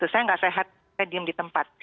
saya nggak sehat saya diem di tempat